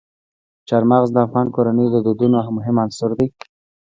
چار مغز د افغان کورنیو د دودونو مهم عنصر دی.